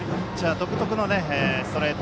独特のストレート。